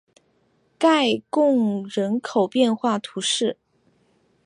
盖贡人口变化图示